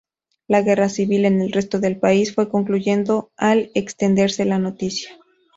La guerra civil en el resto del país fue concluyendo al extenderse la noticia.